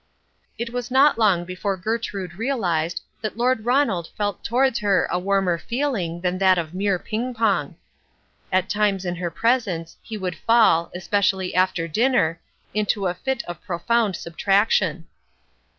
It was not long before Gertrude realised that Lord Ronald felt towards her a warmer feeling than that of mere ping pong. At times in her presence he would fall, especially after dinner, into a fit of profound subtraction.